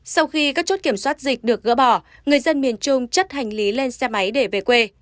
sau khi các chốt kiểm soát dịch được gỡ bỏ người dân miền trung chất hành lý lên xe máy để về quê